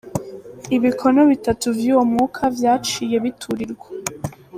Ibikono bitatu vy'uwo mwuka vyaciye biturirwa.